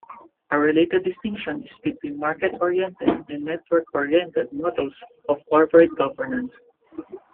A related distinction is between market-orientated and network-orientated models of corporate governance.